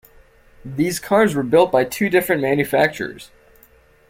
These cars were built by two different manufacturers.